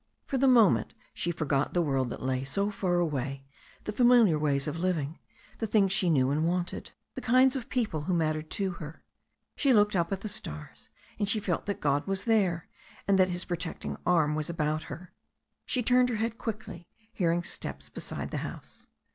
For the moment she forgot the world that lay so far away, the familiar ways of living, the things she knew and wanted, the kinds of people who mattered to her. She looked up at the stars, and she felt that God was there, and that his protecting arm was about her. She turned her head quickly, hearing steps beside the house.